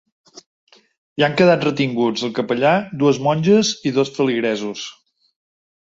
Hi han quedat retinguts el capellà, dues monges i dos feligresos.